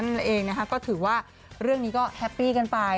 นั่นเองนะคะก็ถือว่าเรื่องนี้ก็แฮปปี้กันไป